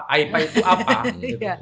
aepa itu apa